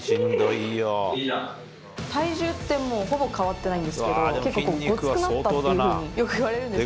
体重ってほぼ変わってないんですけど、結構ごつくなったっていうふうによく言われるんです。